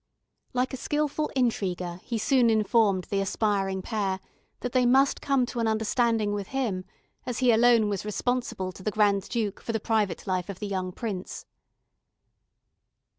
Like a skilful intriguer, he soon informed the aspiring pair that they must come to an understanding with him, as he alone was responsible to the Grand Duke for the private life of the young prince.